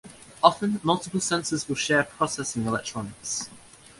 Often, multiple sensors will share processing electronics.